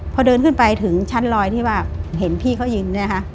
พอเดินขึ้นไปถึงชั้นลอยที่ว่าเห็นพี่เขายืน